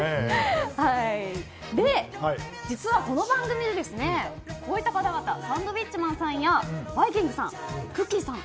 実は、この番組でこういった方々サンドウィッチマンさんやバイきんぐさんくっきー！